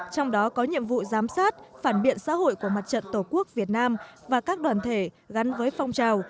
trong đó có nhiệm vụ giám sát phản biện xã hội của mặt trận tổ quốc việt nam và các đoàn thể gắn với phong trào